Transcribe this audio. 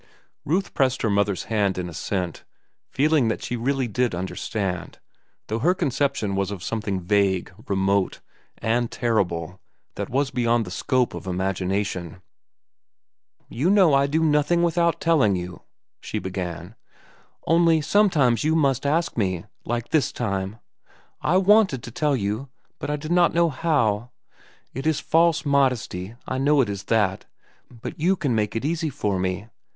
Ruth pressed her mother's hand in assent, feeling that she really did understand, though her conception was of something vague, remote, and terrible that was beyond the scope of imagination. "You know I do nothing without telling you," she began. "—Only, sometimes you must ask me, like this time. I wanted to tell you, but I did not know how. It is false modesty, I know it is that, but you can make it easy for me.